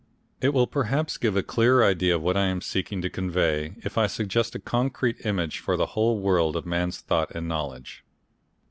It will perhaps give a clearer idea of what I am seeking to convey if I suggest a concrete image for the whole world of a man's thought and knowledge.